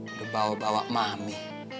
udah bawa bawa mami